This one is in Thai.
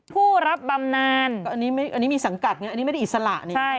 ผู้รับบำนานอันนี้มีสังกัดไงอันนี้ไม่ได้อิสระนี่